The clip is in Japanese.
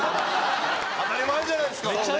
当り前じゃないですか。